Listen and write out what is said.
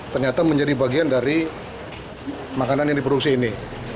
ternyata menjadi bagian dari makanan yang diproduksi ini